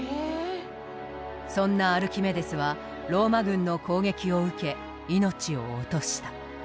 そんなアルキメデスはローマ軍の攻撃を受け命を落とした。